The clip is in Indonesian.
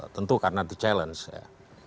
tentu karena the challenge ya